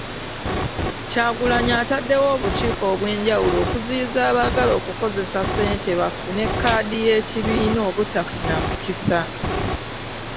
Kyagulanyi ataddewo obukiiko obwenjawulo okuziyiza abaagala okukozesa ssente bafune kkaadi y'ekibiina obutafuna mukisa.